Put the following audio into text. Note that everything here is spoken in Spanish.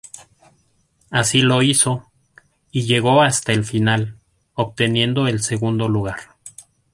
Así lo hizo, y llegó hasta la final, obteniendo el segundo lugar.